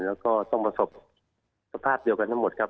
แล้วก็ต้องประสบสภาพเดียวกันทั้งหมดครับ